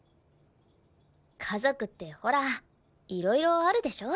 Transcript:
家族ってほらいろいろあるでしょ？